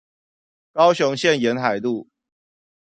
高雄縣沿海路